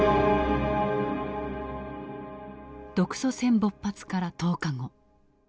独ソ戦勃発から１０日後。